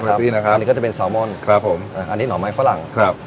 เส้นสปาเกตตี้นะครับอันนี้ก็จะเป็นซาวมอนด์ครับผมอันนี้หน่อไม้ฝรั่งครับ